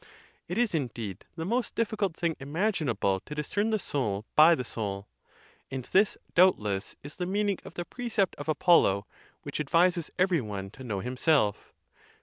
It is, indeed, the most difficult. thing imaginable to discern the soul by the soul. And this, doubtless, is the meaning of the precept of Apollo, which advises every one to know himself.